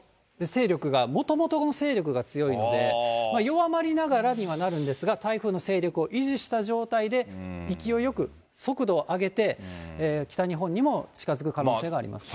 勢力が、もともとの勢力が強いので、弱まりながらにはなるんですが、台風の勢力を維持した状態で勢いよく、速度を上げて北日本にも近づく可能性があります。